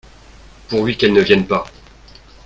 Pourvu qu'elles ne viennent pas !